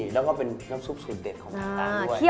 เฮ้ยเกินไปคุณนี้